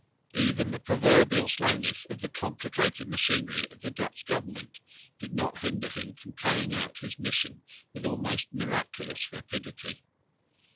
Even the proverbial slowness of the complicated machinery of the Dutch government did not hinder him from carrying out his mission with almost miraculous rapidity.